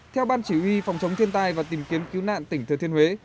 theo ban chỉ huy phòng chống thiên tai và tìm kiếm cứu nạn tỉnh thừa thiên huế